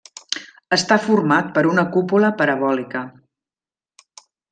Està format per una cúpula parabòlica.